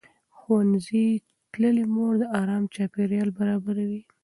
ښوونځې تللې مور د ارام چاپېریال برابروي.